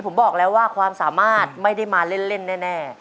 ผมบอกแล้วว่าความสามารถไม่ได้มาเล่นแน่